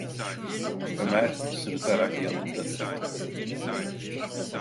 Ömer sırıtarak yanıtladı: